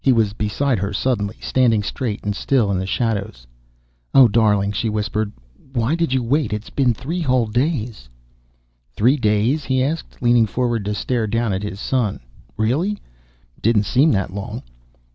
He was beside her suddenly, standing straight and still in shadows. "Oh, darling," she whispered. "Why did you wait? It's been three whole days." "Three days?" he asked, leaning forward to stare down at his son. "Really! It didn't seem that long."